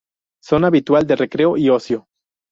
Zona habitual de recreo y ocio.